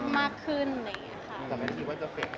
มากขึ้นอะไรอย่างเงี้ยค่ะ